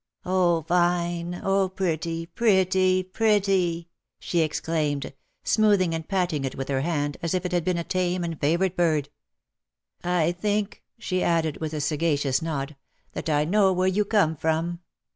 " Oh, fine ! oh, pretty, pretty, pretty !" she exclaimed, smoothing and patting it with her hand, as if it had been a tame and favourite bird. " I think," she added, with a sagacious nod, " that I know where you come from.